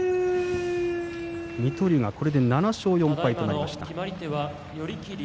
水戸龍がこれで７勝４敗となりました。